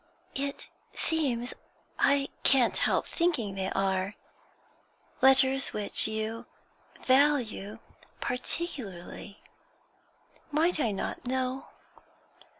'It seems I can't help thinking they are letters which you value particularly. Might I not know?'